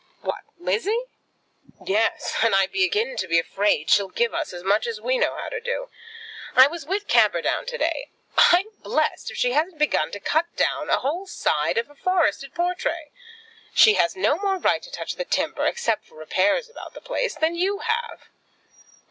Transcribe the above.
"What; Lizzie?" "Yes; and I begin to be afraid she'll give us as much as we know how to do. I was with Camperdown to day. I'm blessed if she hasn't begun to cut down a whole side of a forest at Portray. She has no more right to touch the timber, except for repairs about the place, than you have."